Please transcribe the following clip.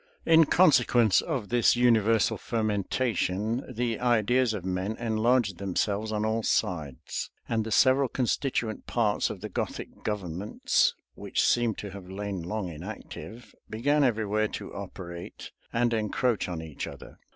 In consequence of this universal fermentation, the ideas of men enlarged themselves on all sides; and the several constituent parts of the Gothic governments, which seem to have lain long inactive, began everywhere to operate and encroach on each other.